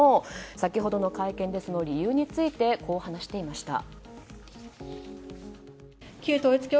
先ほどの会見でその理由についてこう話していました。